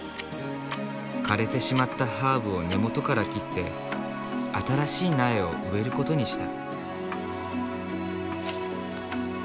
枯れてしまったハーブを根元から切って新しい苗を植えることにした。